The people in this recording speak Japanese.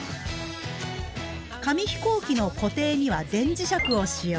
紙飛行機の固定には電磁石を使用。